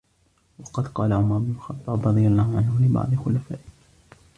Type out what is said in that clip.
وَقَدْ قَالَ عُمَرُ بْنُ الْخَطَّابِ رَضِيَ اللَّهُ عَنْهُ لِبَعْضِ خُلَفَائِهِ